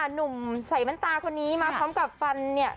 หนุ่มใส่น้ำตาคนนี้มาพร้อมกับฟันเนี่ย